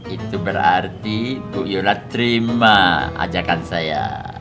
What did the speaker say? itu berarti bu yola terima ajakan saya